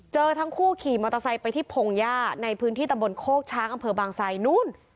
เจอทั้งคู่ขี่มอเตอร์ไซค์ไปที่พงหญ้าในพื้นที่ตำบลโคกช้างอำเภอบางไซนู้น